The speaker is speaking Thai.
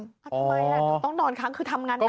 ทำไมต้องนอนค้างคือทำงานนั้น